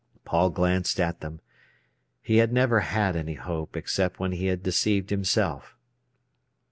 Paul glanced at them. He had never had any hope, except when he had deceived himself.